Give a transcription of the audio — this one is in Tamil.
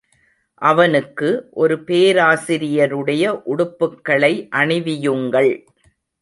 அவனுக்கு ஒரு பேராசிரியருடைய உடுப்புக்களை அணிவியுங்கள்.